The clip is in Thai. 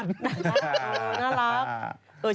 น่ารัก